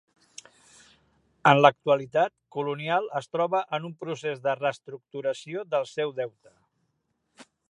En l’actualitat, Colonial es troba en un procés de reestructuració del seu deute.